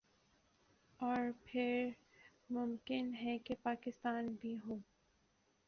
اور پھر ممکن ہے کہ پاکستان بھی ہو